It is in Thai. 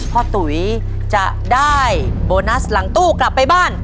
ตุ๋ยจะได้โบนัสหลังตู้กลับไปบ้าน